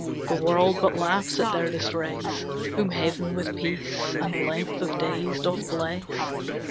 The world but laughs at their distress, Whom heaven with peace and length of days doth bless.